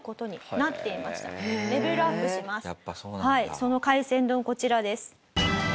その海鮮丼こちらです。